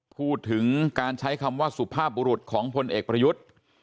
พูดถึงการใช้คำว่าสุภาพบุรุษของพลเอกประยุทธ์